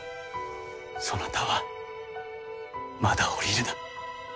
そなたはまだ降りるな。